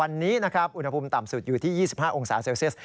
วันนี้นะครับอุณหภูมิต่ำสุดอยู่ที่๒๕องศาเซลเซียส